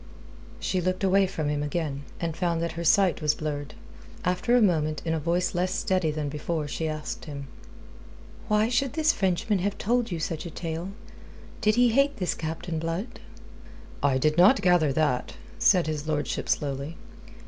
She looked away from him again, and found that her sight was blurred. After a moment in a voice less steady than before she asked him: "Why should this Frenchman have told you such a tale? Did he hate this Captain Blood?" "I did not gather that," said his lordship slowly.